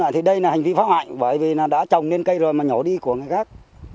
thì đây là hành vi phá hoại bởi vì là đã trồng lên cây rồi mà nhỏ đi của người khác